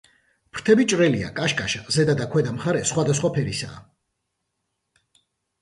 ფრთები ჭრელია, კაშკაშა, ზედა და ქვედა მხარე სხვადასხვა ფერისა.